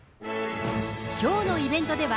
きょうのイベントでは、